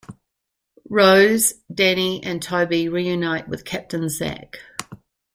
Rose, Danny and Toby reunite with Captain Zach.